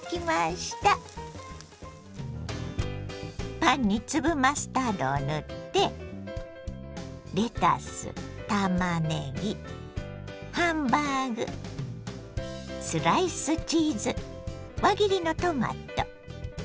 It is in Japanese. パンに粒マスタードを塗ってレタスたまねぎハンバーグスライスチーズ輪切りのトマト。